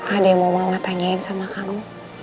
ada yang mau mama tanyain sama kamu